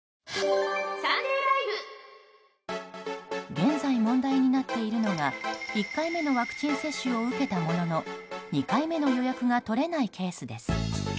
現在、問題になっているのが１回目のワクチン接種を受けたものの２回目の予約が取れないケースです。